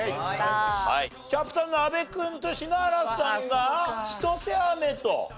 キャプテンの阿部君と篠原さんが千歳飴と。